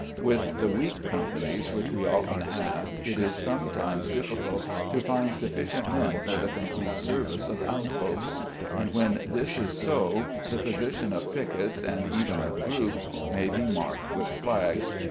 With the weak companies which we often have it is sometimes difficult to find sufficient men for the complete service of outposts, and when this is so the position of piquets, and even of groups, may be marked with flags.